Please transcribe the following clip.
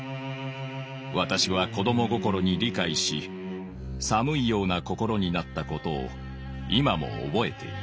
私は子供心に理解し寒いような心になったことを今も覚えている」。